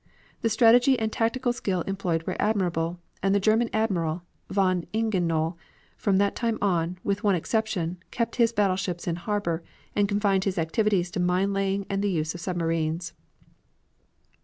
The strategy and tactical skill employed were admirable, and the German admiral, von Ingenohl from that time on, with one exception, kept his battleships in harbor, and confined his activities to mine laying and the use of submarines.